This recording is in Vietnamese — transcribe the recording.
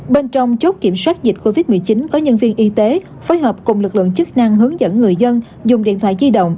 bên trong chốt kiểm soát dịch covid một mươi chín có nhân viên y tế phối hợp cùng lực lượng chức năng hướng dẫn người dân dùng điện thoại di động